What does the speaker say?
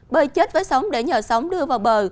bơi chết với sóng để nhờ sóng đưa vào bờ